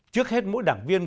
trước hết mỗi đảng viên